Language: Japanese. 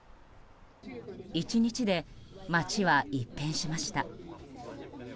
１日で、街は一変しました。